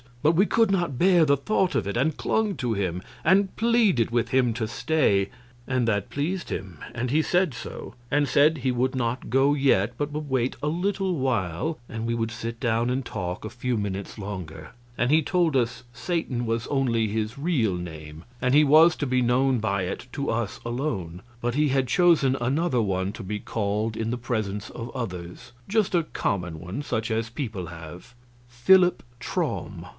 But we could not bear the thought of it, and clung to him, and pleaded with him to stay; and that pleased him, and he said so, and said he would not go yet, but would wait a little while and we would sit down and talk a few minutes longer; and he told us Satan was only his real name, and he was to be known by it to us alone, but he had chosen another one to be called by in the presence of others; just a common one, such as people have Philip Traum.